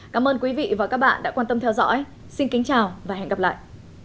cảm ơn các bạn đã theo dõi xin kính chào và hẹn gặp lại